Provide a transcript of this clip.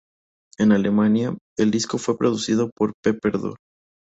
En Alemania, el disco fue producido por Peter Dorr.